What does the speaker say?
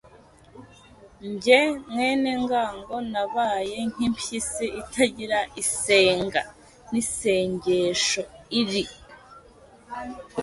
jye mwenengango nabaye nk' impyisi itagira isenga, n' isengesho iri.